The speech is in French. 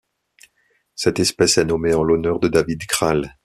Cette espèce est nommée en l'honneur de David Král.